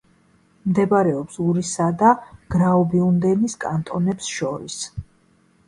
მდებარეობს ურისა და გრაუბიუნდენის კანტონებს შორის.